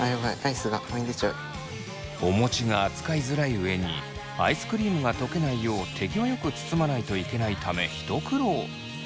お餅が扱いづらい上にアイスクリームがとけないよう手際よく包まないといけないため一苦労。